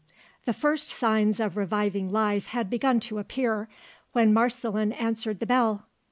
THE first signs of reviving life had begun to appear, when Marceline answered the bell.